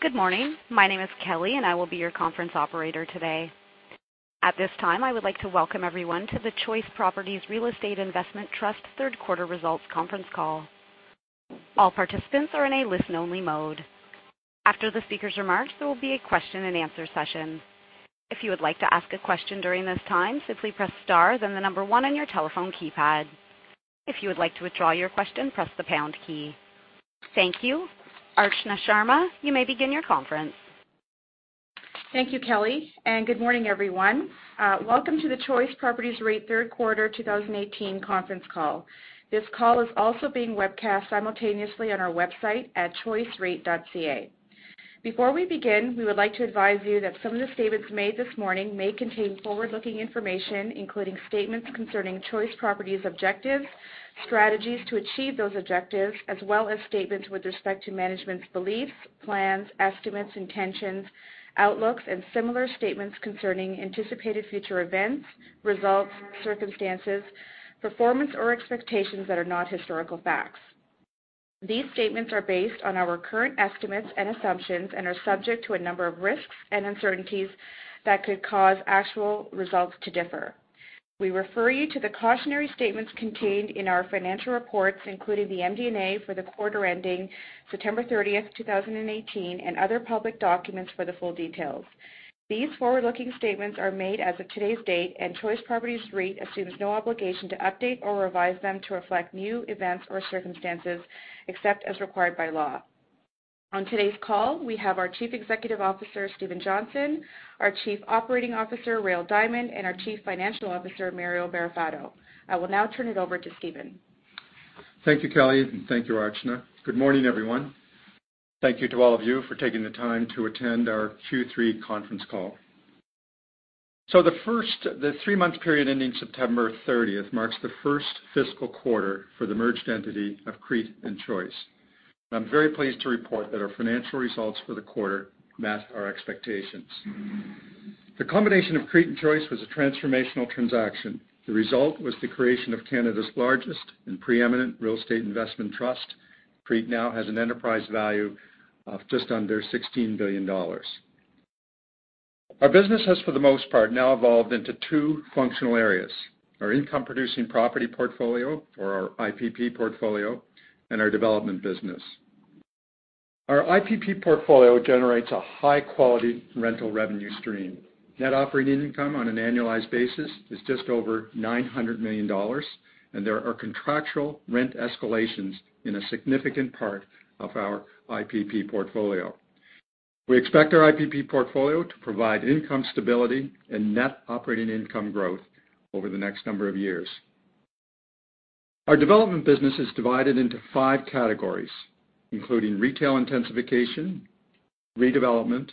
Good morning. My name is Kelly. I will be your conference operator today. At this time, I would like to welcome everyone to the Choice Properties Real Estate Investment Trust third quarter results conference call. All participants are in a listen-only mode. After the speaker's remarks, there will be a question and answer session. If you would like to ask a question during this time, simply press star, then the number one on your telephone keypad. If you would like to withdraw your question, press the pound key. Thank you. Archna Sharma, you may begin your conference. Thank you, Kelly. Good morning, everyone. Welcome to the Choice Properties REIT third quarter 2018 conference call. This call is also being webcast simultaneously on our website at choicereit.ca. Before we begin, we would like to advise you that some of the statements made this morning may contain forward-looking information, including statements concerning Choice Properties objectives, strategies to achieve those objectives, as well as statements with respect to management's beliefs, plans, estimates, intentions, outlooks, and similar statements concerning anticipated future events, results, circumstances, performance, or expectations that are not historical facts. These statements are based on our current estimates and assumptions and are subject to a number of risks and uncertainties that could cause actual results to differ. We refer you to the cautionary statements contained in our financial reports, including the MD&A for the quarter ending September 30th, 2018, and other public documents for the full details. These forward-looking statements are made as of today's date. Choice Properties REIT assumes no obligation to update or revise them to reflect new events or circumstances except as required by law. On today's call, we have our Chief Executive Officer, Stephen Johnson, our Chief Operating Officer, Rael Diamond, and our Chief Financial Officer, Mario Barrafato. I will now turn it over to Stephen. Thank you, Kelly. Thank you, Archna. Good morning, everyone. Thank you to all of you for taking the time to attend our Q3 conference call. The three-month period ending September 30th marks the first fiscal quarter for the merged entity of CREIT and Choice. I'm very pleased to report that our financial results for the quarter matched our expectations. The combination of CREIT and Choice was a transformational transaction. The result was the creation of Canada's largest and preeminent real estate investment trust. CREIT now has an enterprise value of just under $16 billion. Our business has, for the most part, now evolved into two functional areas, our income-producing property portfolio, or our IPP portfolio, and our development business. Our IPP portfolio generates a high-quality rental revenue stream. Net operating income on an annualized basis is just over $900 million. There are contractual rent escalations in a significant part of our IPP portfolio. We expect our IPP portfolio to provide income stability and net operating income growth over the next number of years. Our development business is divided into five categories, including retail intensification, redevelopment,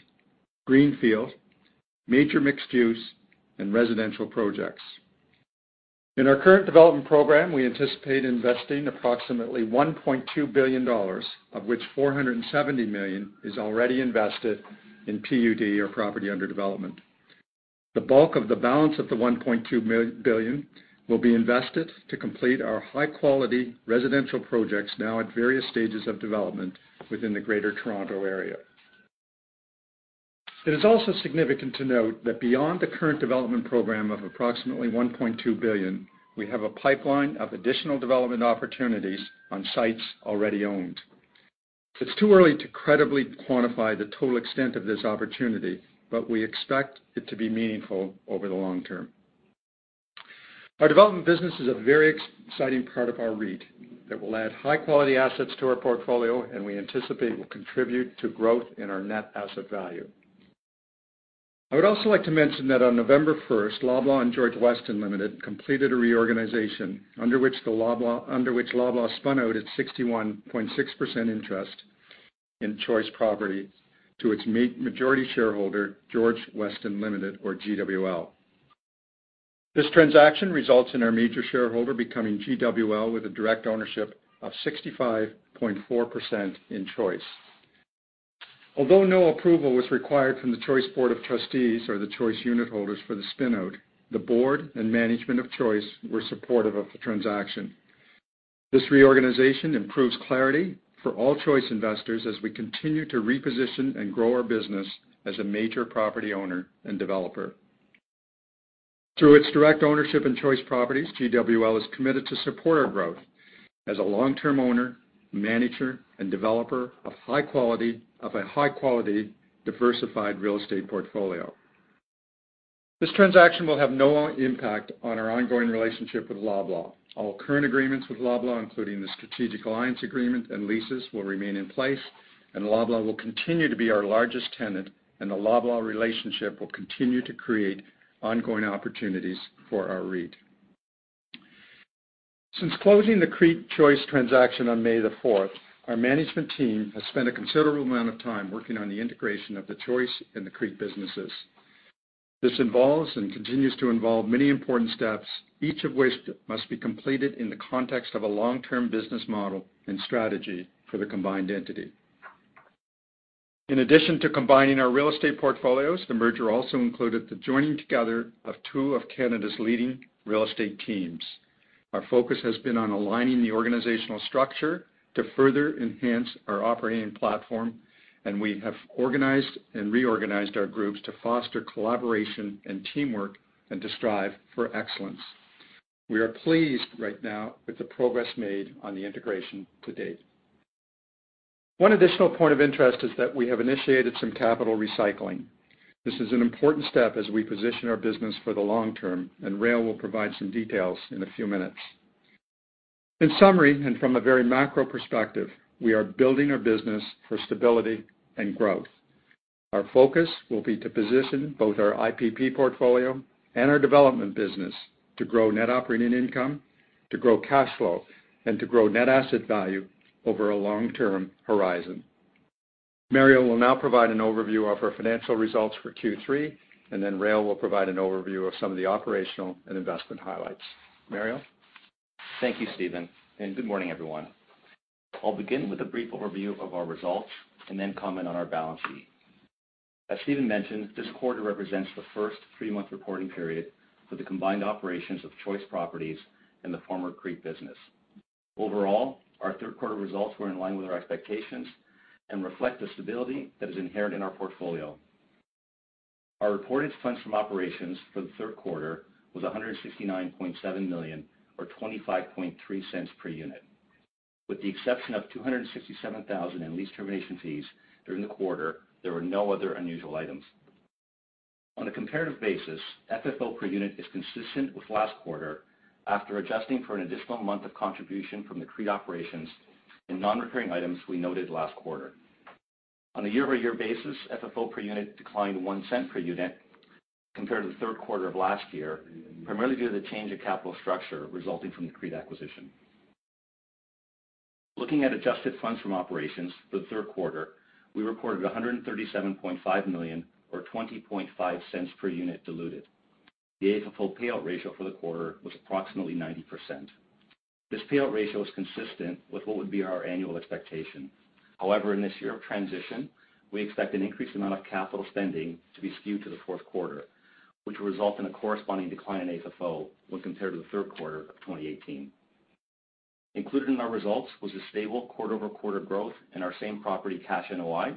greenfield, major mixed-use, and residential projects. In our current development program, we anticipate investing approximately $1.2 billion, of which 470 million is already invested in PUD, or Property Under Development. The bulk of the balance of the $1.2 billion will be invested to complete our high-quality residential projects, now at various stages of development within the Greater Toronto Area. It is also significant to note that beyond the current development program of approximately $1.2 billion, we have a pipeline of additional development opportunities on sites already owned. It's too early to credibly quantify the total extent of this opportunity. We expect it to be meaningful over the long term. Our development business is a very exciting part of our REIT that will add high-quality assets to our portfolio. We anticipate will contribute to growth in our net asset value. I would also like to mention that on November 1st, Loblaw and George Weston Limited completed a reorganization under which Loblaw spun out its 61.6% interest in Choice Properties to its majority shareholder, George Weston Limited, or GWL. This transaction results in our major shareholder becoming GWL with a direct ownership of 65.4% in Choice. Although no approval was required from the Choice board of trustees or the Choice unit holders for the spin-out, the board and management of Choice were supportive of the transaction. This reorganization improves clarity for all Choice investors as we continue to reposition and grow our business as a major property owner and developer. Through its direct ownership in Choice Properties, GWL is committed to support our growth as a long-term owner, manager, and developer of a high-quality, diversified real estate portfolio. This transaction will have no impact on our ongoing relationship with Loblaw. All current agreements with Loblaw, including the strategic alliance agreement and leases, will remain in place. Loblaw will continue to be our largest tenant. The Loblaw relationship will continue to create ongoing opportunities for our REIT. Since closing the CREIT Choice transaction on May 4th, our management team has spent a considerable amount of time working on the integration of the Choice and the CREIT businesses. This involves and continues to involve many important steps, each of which must be completed in the context of a long-term business model and strategy for the combined entity. In addition to combining our real estate portfolios, the merger also included the joining together of two of Canada's leading real estate teams. Our focus has been on aligning the organizational structure to further enhance our operating platform. We have organized and reorganized our groups to foster collaboration and teamwork, and to strive for excellence. We are pleased right now with the progress made on the integration to date. One additional point of interest is that we have initiated some capital recycling. This is an important step as we position our business for the long term. Rael will provide some details in a few minutes. In summary, from a very macro perspective, we are building our business for stability and growth. Our focus will be to position both our IPP portfolio and our development business to grow net operating income, to grow cash flow, and to grow net asset value over a long-term horizon. Mario will now provide an overview of our financial results for Q3, and then Rael will provide an overview of some of the operational and investment highlights. Mario? Thank you, Stephen, good morning, everyone. I'll begin with a brief overview of our results and then comment on our balance sheet. As Stephen mentioned, this quarter represents the first three-month reporting period for the combined operations of Choice Properties and the former CREIT business. Overall, our third quarter results were in line with our expectations and reflect the stability that is inherent in our portfolio. Our reported funds from operations for the third quarter was 169.7 million, or 25.3 cents per unit. With the exception of 267,000 in lease termination fees during the quarter, there were no other unusual items. On a comparative basis, FFO per unit is consistent with last quarter, after adjusting for an additional month of contribution from the CREIT operations and non-recurring items we noted last quarter. On a year-over-year basis, FFO per unit declined 0.01 cents per unit compared to the third quarter of last year, primarily due to the change in capital structure resulting from the CREIT acquisition. Looking at adjusted funds from operations for the third quarter, we reported 137.5 million, or 20.5 cents per unit diluted. The AFFO payout ratio for the quarter was approximately 90%. This payout ratio is consistent with what would be our annual expectation. However, in this year of transition, we expect an increased amount of capital spending to be skewed to the fourth quarter, which will result in a corresponding decline in AFFO when compared to the third quarter of 2018. Included in our results was a stable quarter-over-quarter growth in our Same-Property Cash NOI.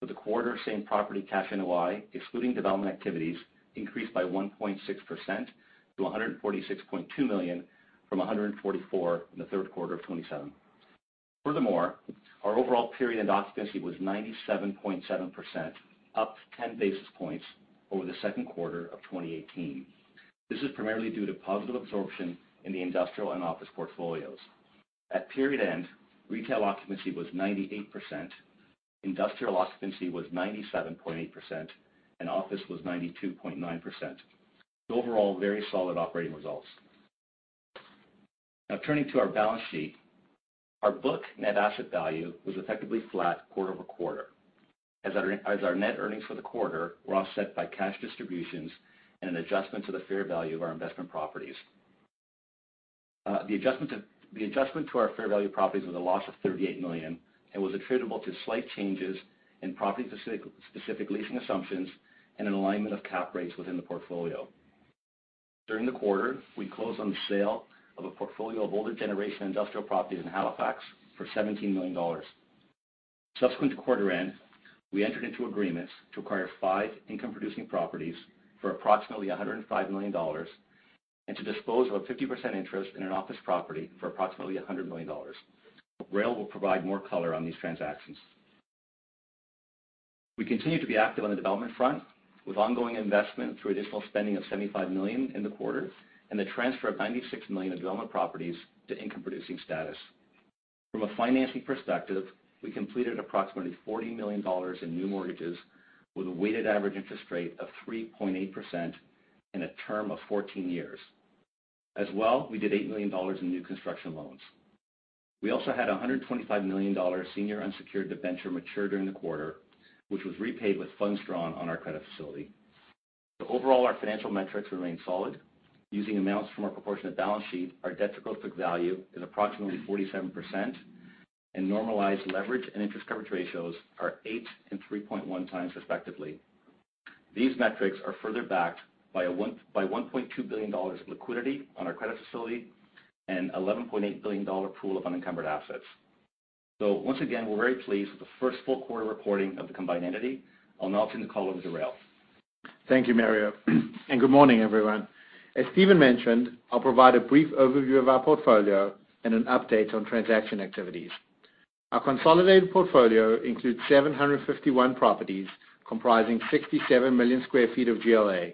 For the quarter, Same-Property Cash NOI, excluding development activities, increased by 1.6% to 146.2 million from 144 million in the third quarter of 2027. Furthermore, our overall period occupancy was 97.7%, up 10 basis points over the second quarter of 2018. This is primarily due to positive absorption in the industrial and office portfolios. At period end, retail occupancy was 98%, industrial occupancy was 97.8%, and office was 92.9%. Overall, very solid operating results. Now turning to our balance sheet. Our book net asset value was effectively flat quarter-over-quarter, as our net earnings for the quarter were offset by cash distributions and an adjustment to the fair value of our investment properties. The adjustment to our fair value properties was a loss of 38 million and was attributable to slight changes in property-specific leasing assumptions and an alignment of cap rates within the portfolio. During the quarter, we closed on the sale of a portfolio of older generation industrial properties in Halifax for $17 million. Subsequent to quarter end, we entered into agreements to acquire five income-producing properties for approximately $105 million and to dispose of a 50% interest in an office property for approximately $100 million. Rael will provide more color on these transactions. We continue to be active on the development front, with ongoing investment through additional spending of 75 million in the quarter and the transfer of 96 million of development properties to income-producing status. From a financing perspective, we completed approximately $40 million in new mortgages with a weighted average interest rate of 3.8% and a term of 14 years. As well, we did $8 million in new construction loans. We also had a $125 million senior unsecured debenture mature during the quarter, which was repaid with funds drawn on our credit facility. Overall, our financial metrics remain solid. Using amounts from our proportionate balance sheet, our debt to growth book value is approximately 47%, and normalized leverage and interest coverage ratios are 8.0 and 3.1x, respectively. These metrics are further backed by $1.2 billion of liquidity on our credit facility and a $11.8 billion pool of unencumbered assets. Once again, we're very pleased with the first full quarter reporting of the combined entity. I'll now turn the call over to Rael. Thank you, Mario, and good morning, everyone. As Stephen mentioned, I'll provide a brief overview of our portfolio and an update on transaction activities. Our consolidated portfolio includes 751 properties comprising 67 million square feet of GLA.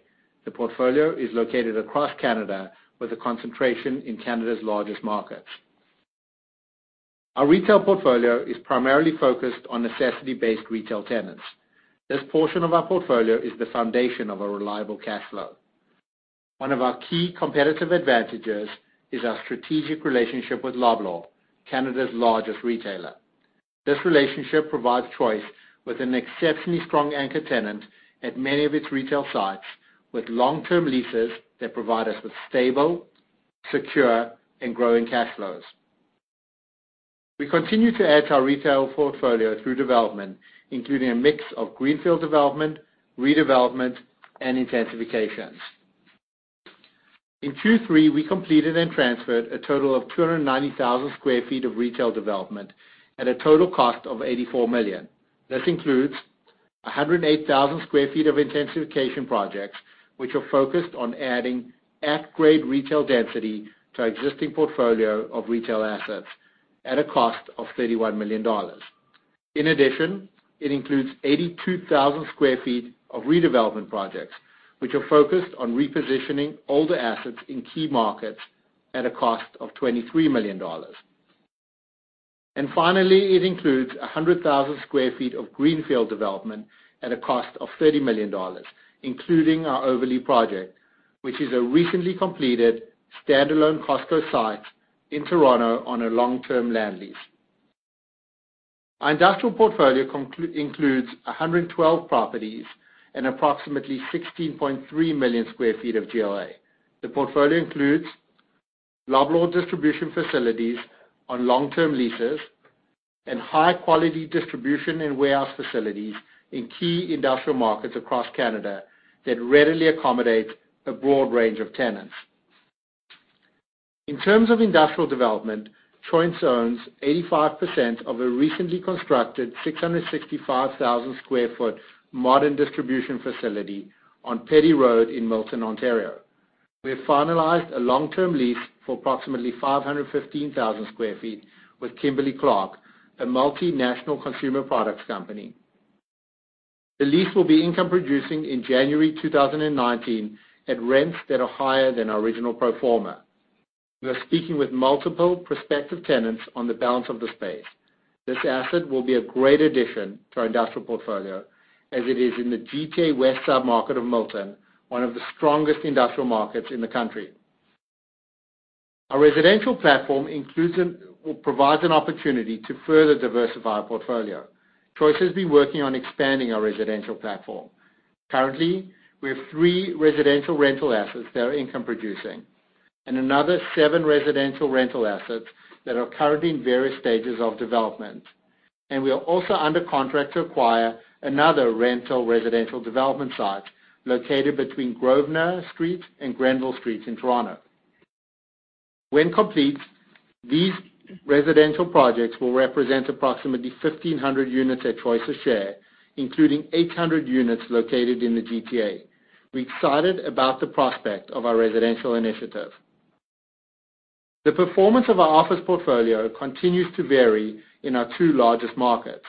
The portfolio is located across Canada with a concentration in Canada's largest markets. Our retail portfolio is primarily focused on necessity-based retail tenants. This portion of our portfolio is the foundation of our reliable cash flow. One of our key competitive advantages is our strategic relationship with Loblaw, Canada's largest retailer. This relationship provides Choice with an exceptionally strong anchor tenant at many of its retail sites, with long-term leases that provide us with stable, secure and growing cash flows. We continue to add to our retail portfolio through development, including a mix of greenfield development, redevelopment, and intensifications. In Q3, we completed and transferred a total of 290,000 sq ft of retail development at a total cost of 84 million. This includes 108,000 sq ft of intensification projects, which are focused on adding at-grade retail density to our existing portfolio of retail assets at a cost of $31 million. In addition, it includes 82,000 sq ft of redevelopment projects, which are focused on repositioning older assets in key markets at a cost of $23 million. Finally, it includes 100,000 sq ft of greenfield development at a cost of $30 million, including our overlay project, which is a recently completed standalone Costco site in Toronto on a long-term land lease. Our industrial portfolio includes 112 properties and approximately 16.3 million sq ft of GLA. The portfolio includes Loblaw distribution facilities on long-term leases and high-quality distribution and warehouse facilities in key industrial markets across Canada that readily accommodate a broad range of tenants. In terms of industrial development, Choice owns 85% of a recently constructed 665,000 sq ft modern distribution facility on Petty Road in Milton, Ontario. We have finalized a long-term lease for approximately 515,000 sq ft with Kimberly-Clark, a multinational consumer products company. The lease will be income producing in January 2019 at rents that are higher than our original pro forma. We are speaking with multiple prospective tenants on the balance of the space. This asset will be a great addition to our industrial portfolio as it is in the GTA west sub-market of Milton, one of the strongest industrial markets in the country. Our residential platform provides an opportunity to further diversify our portfolio. Choice has been working on expanding our residential platform. Currently, we have three residential rental assets that are income producing and another seven residential rental assets that are currently in various stages of development. We are also under contract to acquire another rental residential development site located between Grosvenor Street and Grenville Street in Toronto. When complete, these residential projects will represent approximately 1,500 units at Choice's share, including 800 units located in the GTA. We're excited about the prospect of our residential initiative. The performance of our office portfolio continues to vary in our two largest markets.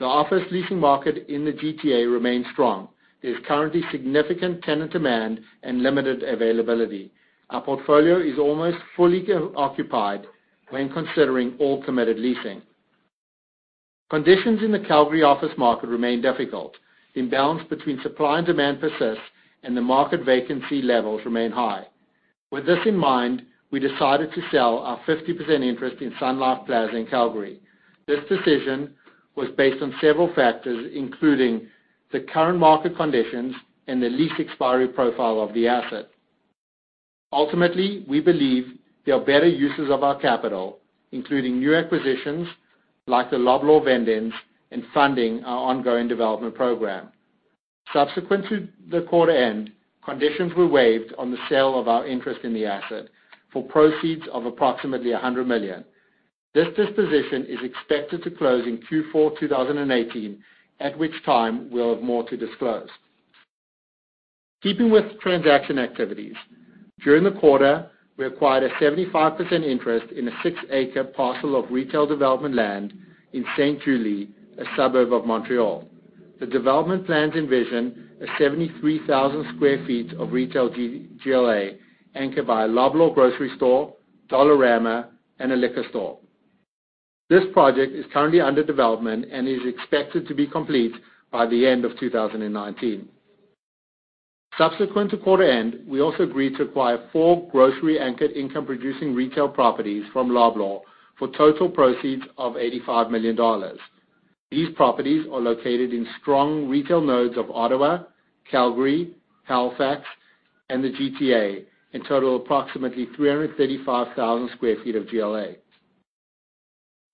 The office leasing market in the GTA remains strong. There's currently significant tenant demand and limited availability. Our portfolio is almost fully occupied when considering all committed leasing. Conditions in the Calgary office market remain difficult. Imbalance between supply and demand persists, and the market vacancy levels remain high. With this in mind, we decided to sell our 50% interest in Sun Life Plaza in Calgary. This decision was based on several factors, including the current market conditions and the lease expiry profile of the asset. Ultimately, we believe there are better uses of our capital, including new acquisitions like the Loblaw vend-ins and funding our ongoing development program. Subsequent to the quarter end, conditions were waived on the sale of our interest in the asset for proceeds of approximately 100 million. This disposition is expected to close in Q4 2018, at which time we'll have more to disclose. Keeping with transaction activities, during the quarter, we acquired a 75% interest in a six-acre parcel of retail development land in Sainte-Julie, a suburb of Montreal. The development plans envision a 73,000 sq ft of retail GLA anchored by a Loblaw grocery store, Dollarama, and a liquor store. This project is currently under development and is expected to be complete by the end of 2019. Subsequent to quarter end, we also agreed to acquire four grocery-anchored income-producing retail properties from Loblaw for total proceeds of $85 million. These properties are located in strong retail nodes of Ottawa, Calgary, Halifax, and the GTA and total approximately 335,000 sq ft of GLA.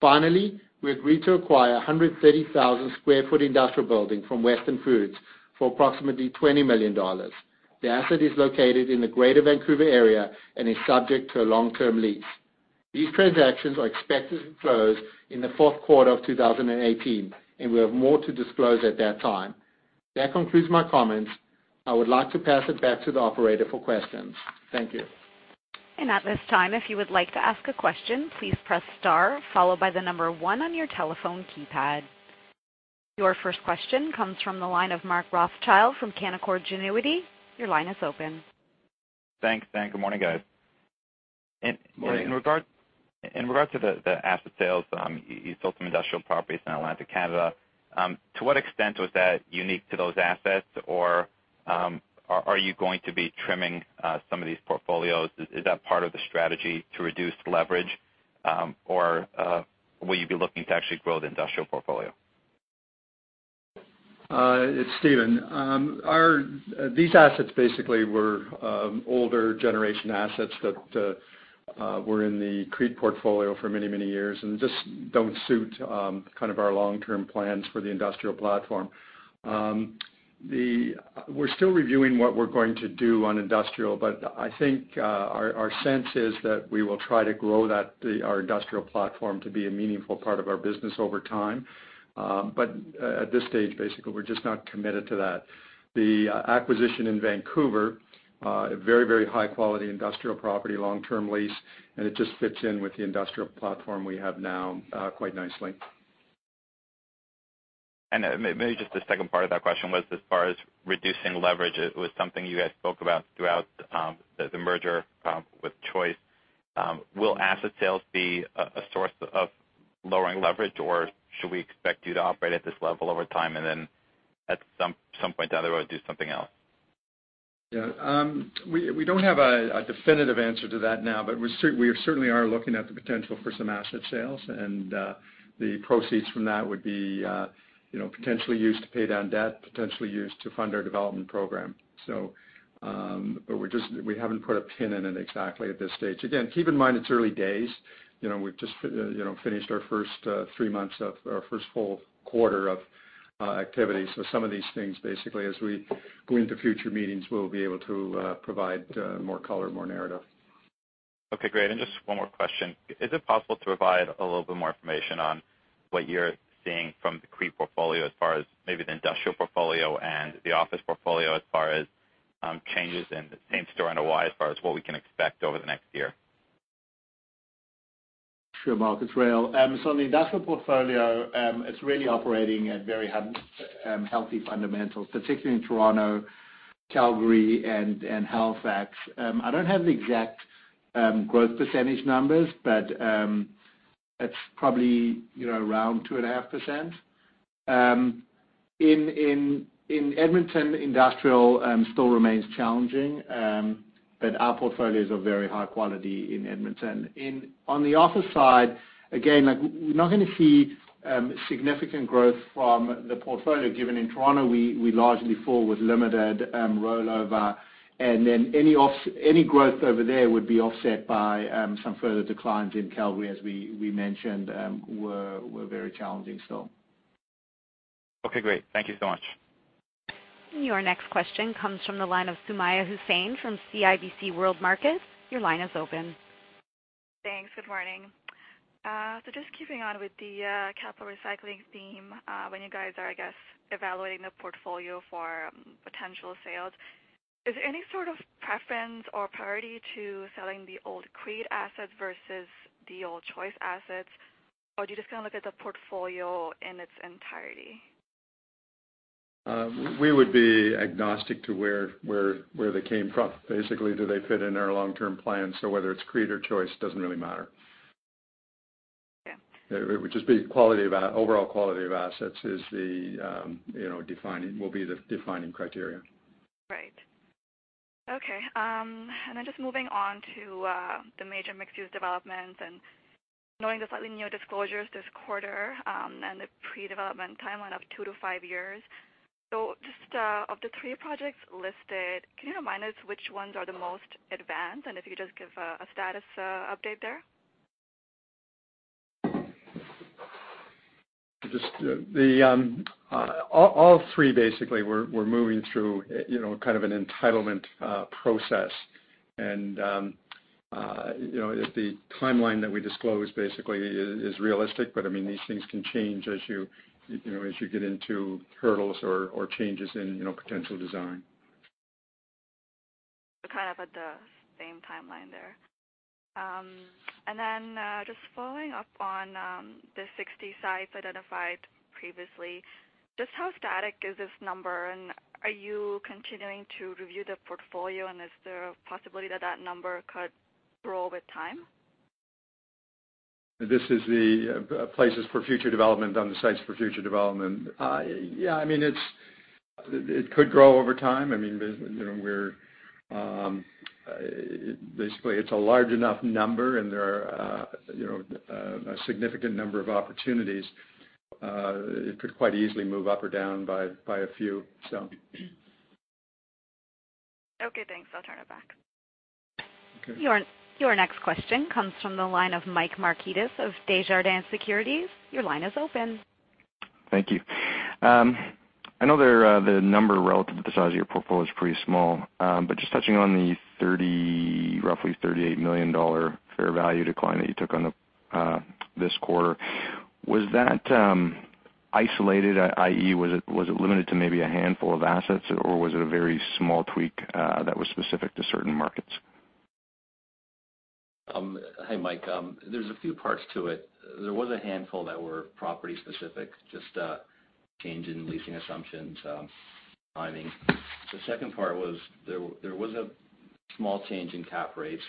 Finally, we agreed to acquire 130,000 sq ft industrial building from Weston Foods for approximately $20 million. The asset is located in the Greater Vancouver Area and is subject to a long-term lease. These transactions are expected to close in the fourth quarter of 2018, and we have more to disclose at that time. That concludes my comments. I would like to pass it back to the operator for questions. Thank you. At this time, if you would like to ask a question, please press star followed by the number one on your telephone keypad. Your first question comes from the line of Mark Rothschild from Canaccord Genuity. Your line is open. Thanks. Good morning, guys. Morning. In regard to the asset sales, you sold some industrial properties in Atlantic Canada. To what extent was that unique to those assets, or are you going to be trimming some of these portfolios? Is that part of the strategy to reduce leverage, or will you be looking to actually grow the industrial portfolio? It's Stephen. These assets basically were older generation assets that were in the CREIT portfolio for many, many years and just don't suit our long-term plans for the industrial platform. We're still reviewing what we're going to do on industrial, but I think our sense is that we will try to grow our industrial platform to be a meaningful part of our business over time. At this stage, basically, we're just not committed to that. The acquisition in Vancouver, a very high-quality industrial property, long-term lease, and it just fits in with the industrial platform we have now, quite nicely. Maybe just the second part of that question was as far as reducing leverage. It was something you guys spoke about throughout the merger with Choice. Will asset sales be a source of lowering leverage, or should we expect you to operate at this level over time and then at some point down the road, do something else? We don't have a definitive answer to that now, but we certainly are looking at the potential for some asset sales. The proceeds from that would be potentially used to pay down debt, potentially used to fund our development program. We haven't put a pin in it exactly at this stage. Again, keep in mind it's early days. We've just finished our first three months of our first full quarter of activity. Some of these things, basically, as we go into future meetings, we'll be able to provide more color, more narrative. Okay, great. Just one more question. Is it possible to provide a little bit more information on what you're seeing from the CREIT portfolio as far as maybe the industrial portfolio and the office portfolio as far as changes in the same store and the why, as far as what we can expect over the next year? Sure, Mark. Rael. On the industrial portfolio, it's really operating at very healthy fundamentals, particularly in Toronto, Calgary, and Halifax. I don't have the exact growth percentage numbers, but it's probably around 2.5%. In Edmonton, industrial still remains challenging, but our portfolios are very high quality in Edmonton. On the office side, again, we're not going to see significant growth from the portfolio, given in Toronto, we largely fall with limited rollover. Then any growth over there would be offset by some further declines in Calgary, as we mentioned, were very challenging still. Okay, great. Thank you so much. Your next question comes from the line of Sumayya Syed from CIBC World Markets. Your line is open. Thanks. Good morning. Just keeping on with the capital recycling theme. When you guys are, I guess, evaluating the portfolio for potential sales, is there any sort of preference or priority to selling the old CREIT assets versus the old Choice assets, or do you just kind of look at the portfolio in its entirety? We would be agnostic to where they came from. Basically, do they fit in our long-term plans? Whether it's CREIT or Choice, doesn't really matter. Okay. It would just be overall quality of assets will be the defining criteria. Right. Okay. Then just moving on to the major mixed-use development and knowing the slightly newer disclosures this quarter, and the pre-development timeline of two to five years. Just of the three projects listed, can you remind us which ones are the most advanced, and if you could just give a status update there? All three basically, were moving through kind of an entitlement process. The timeline that we disclosed basically is realistic, but these things can change as you get into hurdles or changes in potential design. Kind of at the same timeline there. Then, just following up on the 60 sites identified previously. Just how static is this number, and are you continuing to review the portfolio, and is there a possibility that that number could grow with time? This is the places for future development on the sites for future development. Yeah, it could grow over time. Basically, it's a large enough number, and there are a significant number of opportunities. It could quite easily move up or down by a few. Okay, thanks. I'll turn it back. Okay. Your next question comes from the line of Mike Markidis of Desjardins Securities. Your line is open. Thank you. I know the number relative to the size of your portfolio is pretty small. Just touching on the roughly $38 million fair value decline that you took on this quarter. Was that isolated, i.e., was it limited to maybe a handful of assets, or was it a very small tweak that was specific to certain markets? Hi, Mike. There's a few parts to it. There was a handful that were property specific, just a change in leasing assumptions timing. The second part was there was a small change in cap rates.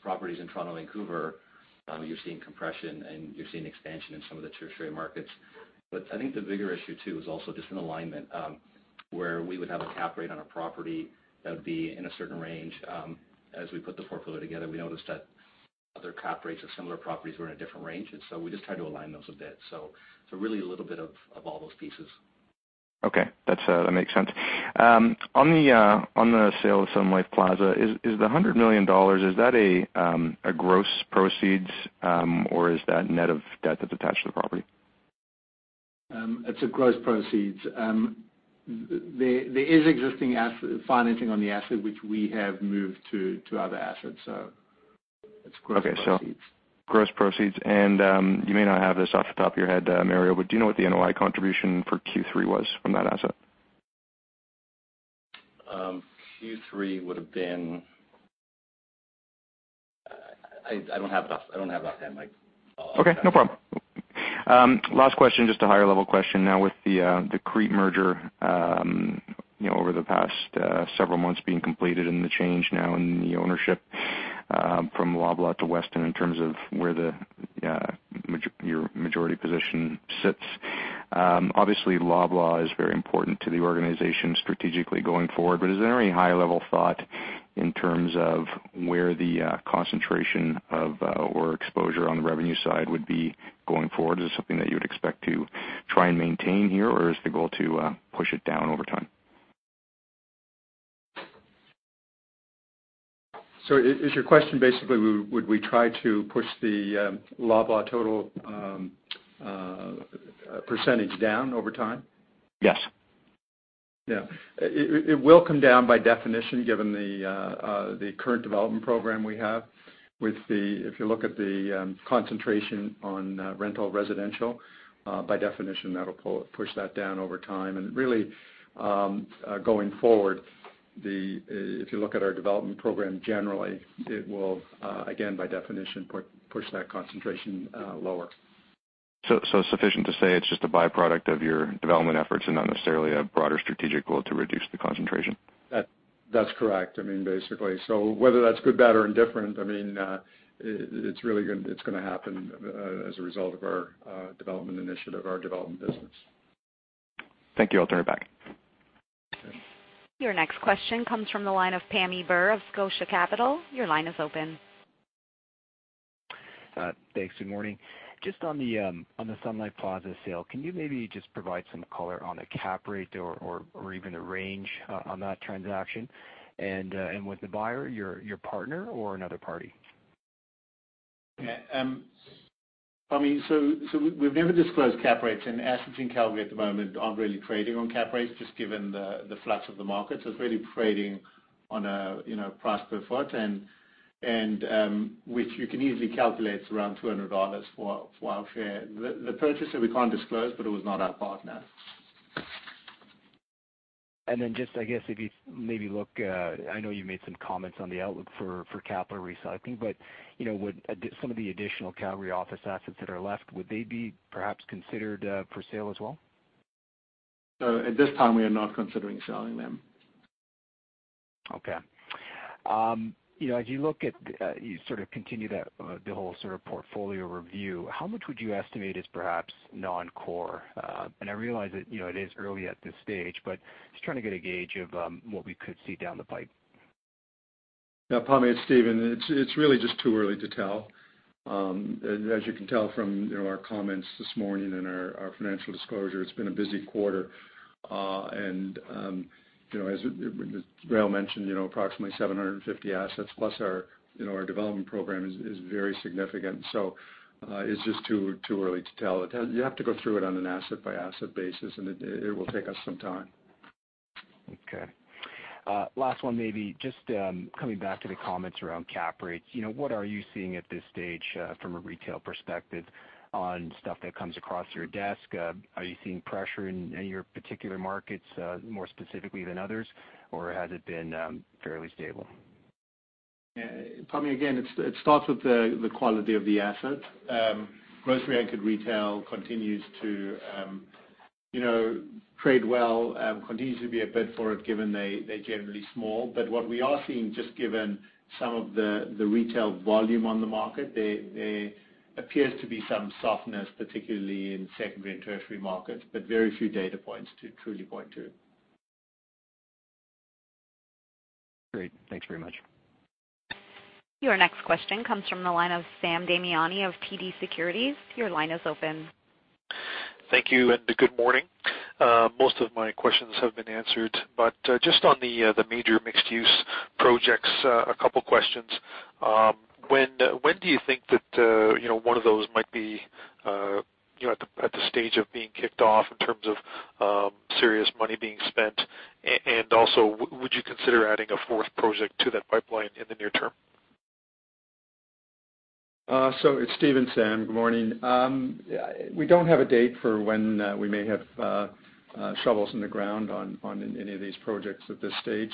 Properties in Toronto and Vancouver, you're seeing compression and you're seeing expansion in some of the tertiary markets. I think the bigger issue too is also just an alignment. We would have a cap rate on a property that would be in a certain range. As we put the portfolio together, we noticed that other cap rates of similar properties were in a different range. We just had to align those a bit. Really a little bit of all those pieces. Okay. That makes sense. On the sale of Sun Life Plaza, is the $100 million, is that a gross proceeds, or is that net of debt that's attached to the property? It's a gross proceeds. There is existing financing on the asset, which we have moved to other assets, so it's gross proceeds. Okay. Gross proceeds. You may not have this off the top of your head, Mario, do you know what the NOI contribution for Q3 was from that asset? Q3 would've been I don't have it offhand, Mike. Okay, no problem. Last question, just a higher-level question. With the CREIT merger over the past several months being completed and the change now in the ownership from Loblaw to Weston in terms of where your majority position sits. Obviously Loblaw is very important to the organization strategically going forward, is there any high-level thought in terms of where the concentration of, or exposure on the revenue side would be going forward? Is it something that you would expect to try and maintain here, or is the goal to push it down over time? Is your question basically would we try to push the Loblaw total percentage down over time? Yes. Yeah. It will come down by definition, given the current development program we have. If you look at the concentration on rental residential, by definition, that'll push that down over time. Really, going forward, if you look at our development program, generally, it will, again, by definition, push that concentration lower. Sufficient to say it's just a byproduct of your development efforts and not necessarily a broader strategic goal to reduce the concentration. That's correct. Basically. Whether that's good, bad, or indifferent, it's going to happen as a result of our development initiative, our development business. Thank you. I'll turn it back. Your next question comes from the line of Pammi Bir of Scotia Capital. Your line is open. Thanks. Good morning. Just on the Sun Life Plaza sale, can you maybe just provide some color on the cap rate or even the range on that transaction? Was the buyer your partner or another party? Pammi, we've never disclosed cap rates, and assets in Calgary at the moment aren't really trading on cap rates, just given the flux of the market. It's really trading on a price per foot, which you can easily calculate around $200 for our fair. The purchaser we can't disclose, but it was not our partner. Just, I guess if you maybe look, I know you made some comments on the outlook for capital recycling, but would some of the additional Calgary office assets that are left, would they be perhaps considered for sale as well? At this time, we are not considering selling them. Okay. As you sort of continue the whole portfolio review, how much would you estimate is perhaps non-core? I realize that it is early at this stage, but just trying to get a gauge of what we could see down the pipe. Yeah, Pammi, it's Stephen. It's really just too early to tell. As you can tell from our comments this morning and our financial disclosure, it's been a busy quarter. As Rael mentioned, approximately 750 assets plus our development program is very significant. It's just too early to tell. You have to go through it on an asset-by-asset basis, and it will take us some time. Okay. Last one, maybe just coming back to the comments around cap rates. What are you seeing at this stage from a retail perspective on stuff that comes across your desk? Are you seeing pressure in your particular markets more specifically than others, or has it been fairly stable? Pammi, again, it starts with the quality of the asset. Grocery-anchored retail continues to trade well and continues to be a bid for it given they're generally small. What we are seeing, just given some of the retail volume on the market, there appears to be some softness, particularly in secondary and tertiary markets, but very few data points to truly point to. Great. Thanks very much. Your next question comes from the line of Sam Damiani of TD Securities. Your line is open. Thank you, good morning. Most of my questions have been answered, just on the major mixed-use projects, a couple questions. When do you think that one of those might be at the stage of being kicked off in terms of serious money being spent? Also, would you consider adding a fourth project to that pipeline in the near term? It's Stephen, Sam. Good morning. We don't have a date for when we may have shovels in the ground on any of these projects at this stage.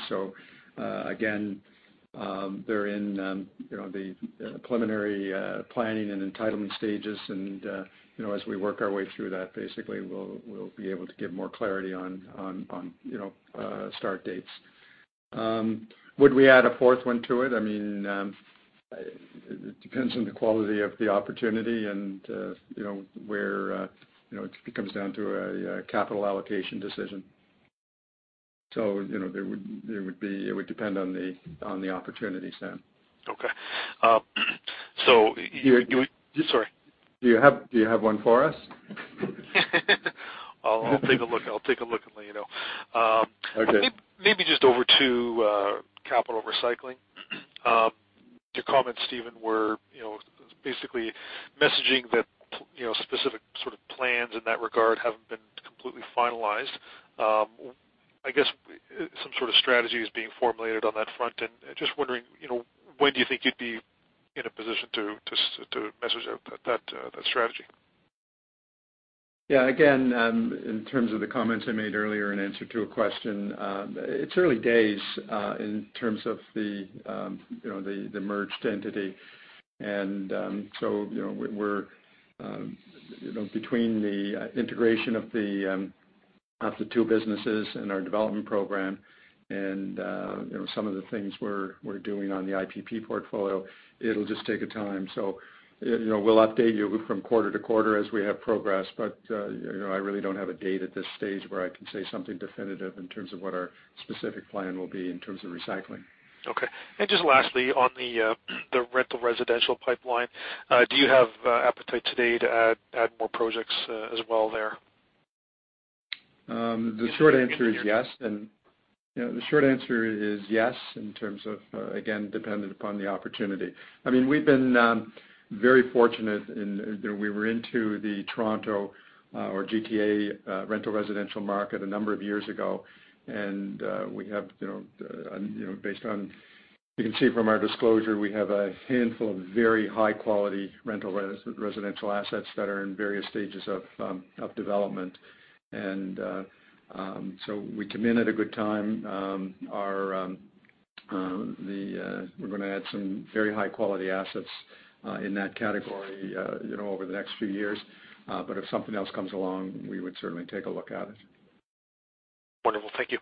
Again, they're in the preliminary planning and entitlement stages. As we work our way through that, basically, we'll be able to give more clarity on start dates. Would we add a fourth one to it? It depends on the quality of the opportunity and where it comes down to a capital allocation decision. It would depend on the opportunity, Sam. Okay. Sorry. Do you have one for us? I'll take a look and let you know. Okay. Maybe just over to capital recycling. Your comments, Stephen, were basically messaging that specific sort of plans in that regard haven't been completely finalized. I guess some sort of strategy is being formulated on that front. Just wondering, when do you think you'd be in a position to message out that strategy? Again, in terms of the comments I made earlier in answer to a question, it's early days in terms of the merged entity. Between the integration of the two businesses and our development program and some of the things we're doing on the IPP portfolio, it'll just take a time. We'll update you from quarter to quarter as we have progress, but, I really don't have a date at this stage where I can say something definitive in terms of what our specific plan will be in terms of recycling. Just lastly, on the rental residential pipeline, do you have appetite today to add more projects as well there? The short answer is yes. In terms of, again, dependent upon the opportunity. We've been very fortunate in that we were into the Toronto or GTA rental residential market a number of years ago, and based on, you can see from our disclosure, we have a handful of very high-quality rental residential assets that are in various stages of development. We come in at a good time. We're going to add some very high-quality assets in that category over the next few years. If something else comes along, we would certainly take a look at it. Wonderful. Thank you.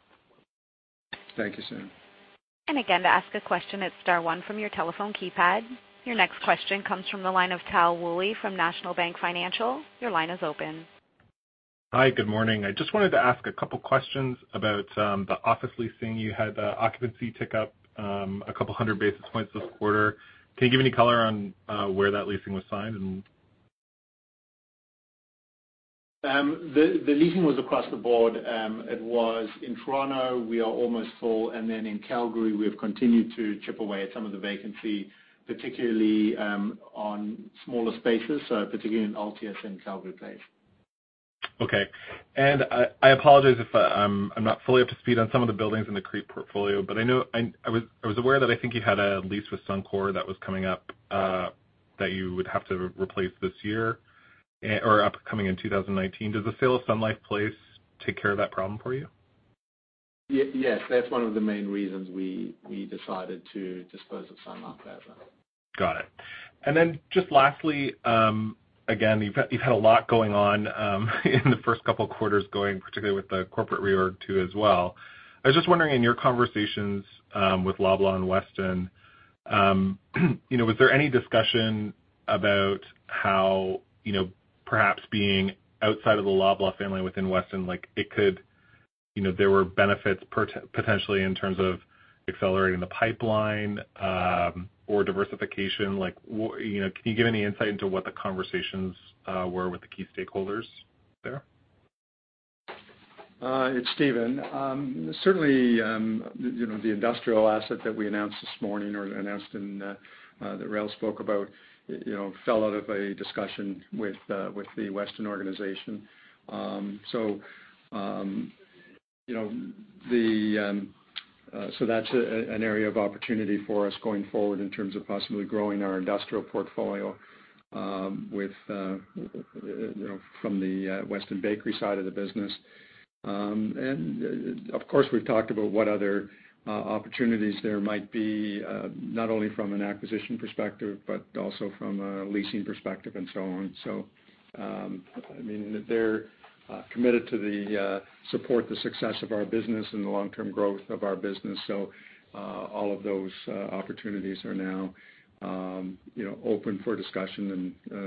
Thank you, Sam. Again, to ask a question, it's star one from your telephone keypad. Your next question comes from the line of Tal Woolley from National Bank Financial. Your line is open. Hi. Good morning. I just wanted to ask a couple questions about the office leasing. You had the occupancy tick up a couple 100 basis points this quarter. Can you give any color on where that leasing was signed and The leasing was across the board. It was in Toronto, we are almost full. Then in Calgary, we've continued to chip away at some of the vacancy, particularly, on smaller spaces, particularly in Altius and Calgary Place. Okay. I apologize if I'm not fully up to speed on some of the buildings in the CREIT portfolio, I was aware that I think you had a lease with Suncor that was coming up, that you would have to replace this year or upcoming in 2019. Does the sale of Sun Life Place take care of that problem for you? Yes, that's one of the main reasons we decided to dispose of Sun Life Plaza. Got it. Just lastly, again, you've had a lot going on in the first couple of quarters going, particularly with the corporate reorg too as well. I was just wondering, in your conversations with Loblaw and Weston, was there any discussion about how perhaps being outside of the Loblaw family within Weston, there were benefits potentially in terms of accelerating the pipeline, or diversification? Can you give any insight into what the conversations were with the key stakeholders there? It's Stephen. Certainly, the industrial asset that we announced this morning or that Rael spoke about fell out of a discussion with the Weston organization. That's an area of opportunity for us going forward in terms of possibly growing our industrial portfolio from the Weston bakery side of the business. Of course, we've talked about what other opportunities there might be, not only from an acquisition perspective, but also from a leasing perspective and so on. They're committed to support the success of our business and the long-term growth of our business. All of those opportunities are now open for discussion and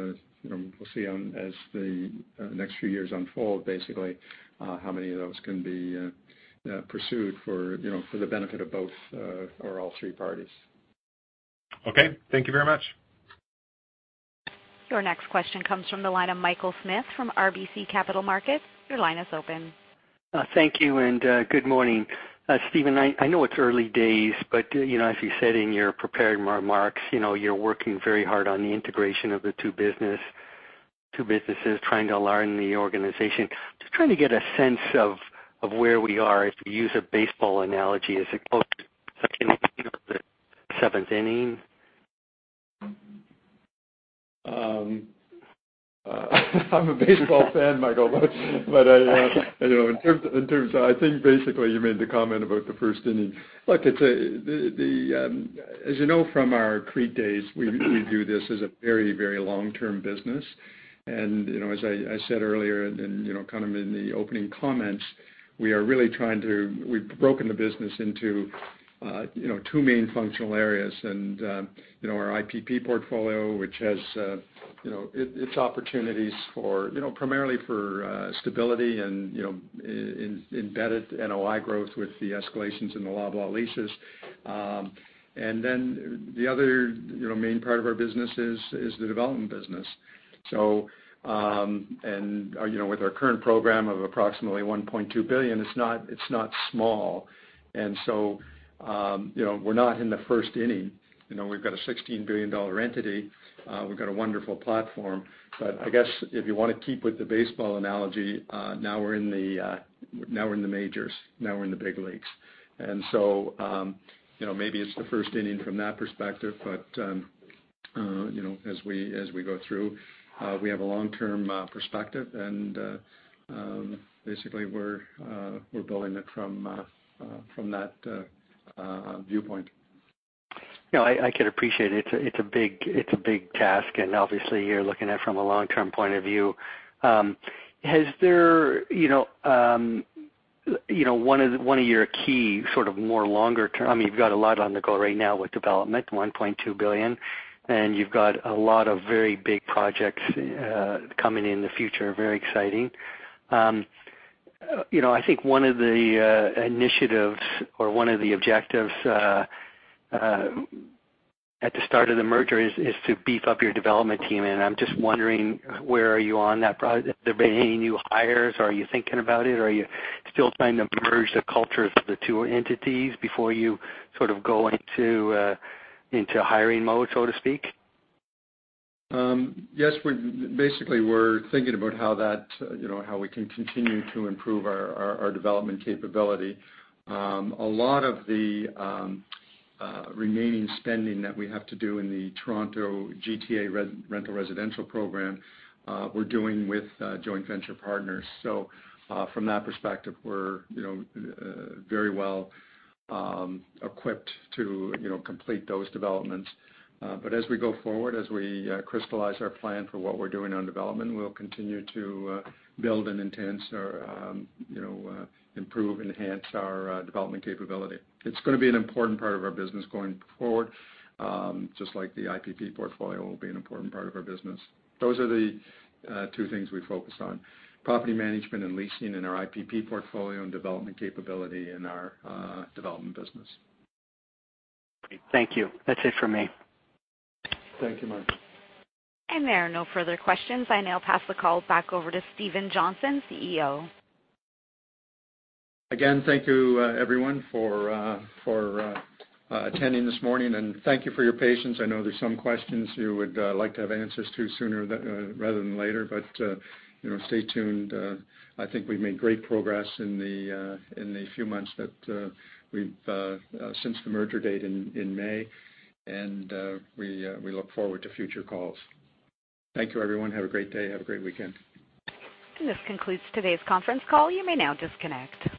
we'll see as the next few years unfold, basically, how many of those can be pursued for the benefit of both or all three parties. Okay. Thank you very much. Your next question comes from the line of Michael Smith from RBC Capital Markets. Your line is open. Thank you. Good morning. Stephen, I know it's early days, but as you said in your prepared remarks, you're working very hard on the integration of the two businesses, trying to align the organization. Just trying to get a sense of where we are. If you use a baseball analogy, is it close to the seventh inning? I'm a baseball fan, Michael, but I think basically you made the comment about the first inning. Look, as you know from our CREIT days, we view this as a very, very long-term business. As I said earlier, and kind of in the opening comments, we've broken the business into two main functional areas. Our IPP portfolio, it's opportunities primarily for stability and embedded NOI growth with the escalations in the Loblaw leases. The other main part of our business is the development business. With our current program of approximately 1.2 billion, it's not small. So, we're not in the first inning. We've got a $16 billion entity. We've got a wonderful platform. I guess if you want to keep with the baseball analogy, now we're in the majors, now we're in the big leagues. Maybe it's the first inning from that perspective. As we go through, we have a long-term perspective, and basically, we're building it from that viewpoint. No, I could appreciate it. It's a big task, and obviously, you're looking at it from a long-term point of view. You've got a lot on the go right now with development, 1.2 billion, and you've got a lot of very big projects coming in the future. Very exciting. I think one of the initiatives or one of the objectives at the start of the merger is to beef up your development team, and I'm just wondering, where are you on that project? There been any new hires? Are you thinking about it? Are you still trying to merge the cultures of the two entities before you sort of go into hiring mode, so to speak? Yes. Basically, we're thinking about how we can continue to improve our development capability. A lot of the remaining spending that we have to do in the Toronto GTA rental residential program, we're doing with joint venture partners. From that perspective, we're very well equipped to complete those developments. As we go forward, as we crystallize our plan for what we're doing on development, we'll continue to build and enhance our development capability. It's going to be an important part of our business going forward, just like the IPP portfolio will be an important part of our business. Those are the two things we focus on, property management and leasing in our IPP portfolio, and development capability in our development business. Thank you. That's it for me. Thank you, Michael. There are no further questions. I now pass the call back over to Stephen Johnson, CEO. Again, thank you, everyone, for attending this morning, and thank you for your patience. I know there's some questions you would like to have answers to sooner rather than later, but stay tuned. I think we've made great progress in the few months since the merger date in May, and we look forward to future calls. Thank you, everyone. Have a great day. Have a great weekend. This concludes today's conference call. You may now disconnect.